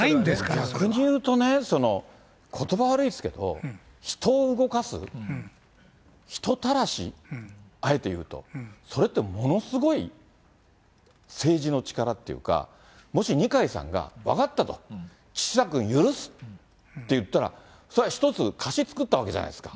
逆に言うとね、ことば悪いですけど、人を動かす、人たらし、あえて言うと、それってものすごい、政治の力っていうか、もし二階さんが分かったと、岸田君、許すって言ったら、それは一つ、貸し作ったわけじゃないですか。